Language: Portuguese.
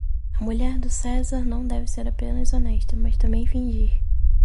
A mulher do César não deve ser apenas honesta, mas também fingir.